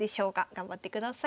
頑張ってください。